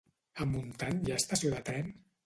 A Montant hi ha estació de tren?